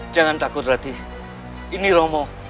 jangan takut ratih ini romo